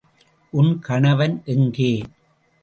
உன் கணவன் எங்கே?